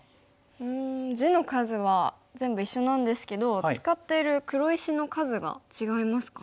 うん地の数は全部一緒なんですけど使ってる黒石の数が違いますかね。